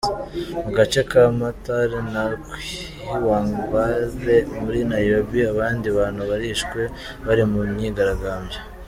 Mu gace ka Mathare na Kiwangware muri Nairobi abandi bantu barishwe bari mu myigaragambyo.